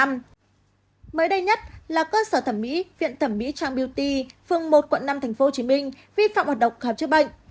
mới đây nhất là cơ sở thẩm mỹ viện thẩm mỹ trang beauty phường một quận năm tp hcm vi phạm hoạt động khám chức bệnh